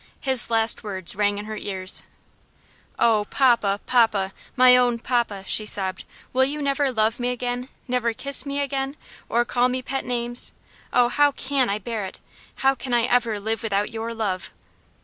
His last words rang in her ears. "Oh! papa, papa! my own papa!" she sobbed, "will you never love me again? never kiss me, or call me pet names? Oh, how can I bear it! how can I ever live without your love?"